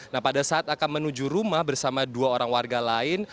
nah pada saat akan menuju rumah bersama dua orang warga lain